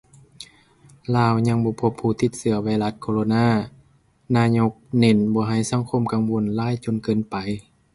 ລາວຍັງບໍ່ພົບຜູ້ຕິດເຊື້ອໄວຣັສໂຄໂຣນາ! ນາຍົກເນັ້ນບໍ່ໃຫ້ສັງຄົມກັງວົນຫຼາຍຈົນເກີນໄປ